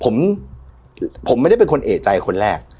ผมผมไม่ได้เป็นคนเอกใจคนแรก